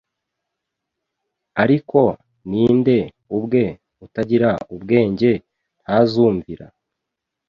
Ariko ninde ubwe utagira ubwenge ntazumvira